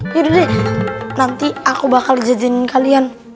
yaudah deh nanti aku bakal jejanin kalian